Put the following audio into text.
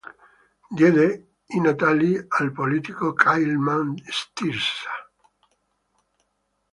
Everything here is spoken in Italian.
Diede i natali al politico Kálmán Tisza.